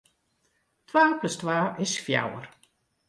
Twa plus twa is fjouwer.